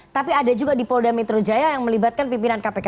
tapi ada juga di polda metro jaya yang melibatkan pimpinan kpk